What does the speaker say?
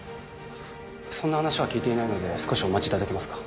そんな話は聞いていないので少しお待ちいただけますか？